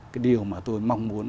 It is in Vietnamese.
cái điều mà tôi mong muốn